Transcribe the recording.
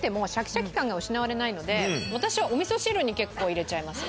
感が失われないので私はお味噌汁に結構入れちゃいます。